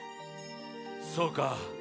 そうか。